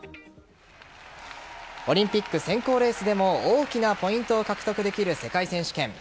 オリンピック選考レースでも大きなポイントを獲得できる世界選手権。